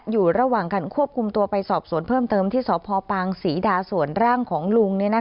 อยู่ระหว่างการควบคุมตัวไปสอบสวนเพิ่มเติมที่สพปางศรีดาส่วนร่างของลุง